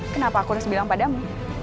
kenapa aku harus bilang padamu